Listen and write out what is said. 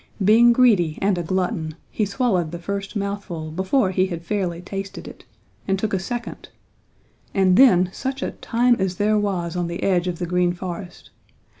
Being greedy and a glutton, he swallowed the first mouthful before he had fairly tasted it, and took a second, and then such a time as there was on the edge of the Green Forest!